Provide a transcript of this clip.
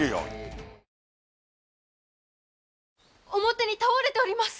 表に倒れております！